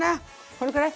これくらい？